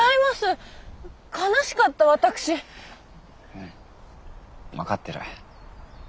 うん分かってる。